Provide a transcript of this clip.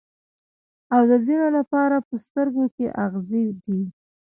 او د ځینو لپاره په سترګو کې اغزی دی.